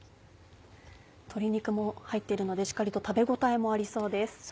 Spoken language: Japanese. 鶏肉も入ってるのでしっかりと食べ応えもありそうです。